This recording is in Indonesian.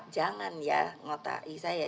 jangan ya ngotai saya